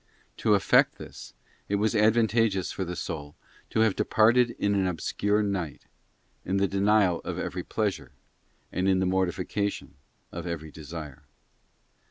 To effect this, it was advantageous for the soul to have departed in an obscure night, in the denial of every pleasure, and in the mortification of every desire.